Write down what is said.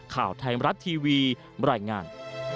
ข่าวไทยรัตทีวีรายงาน